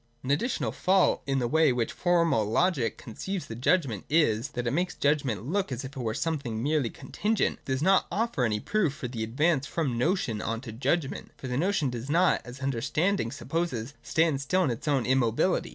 An additional fault in the way in which Formal Logic conceives the judgment is, that it makes the judgment look as if it were something merely contingent, and does not offer any proof for the advance from notion on to judgment. For the notion does not, as understanding supposes, stand still in its own immo bility.